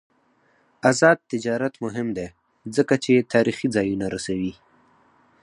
آزاد تجارت مهم دی ځکه چې تاریخي ځایونه رسوي.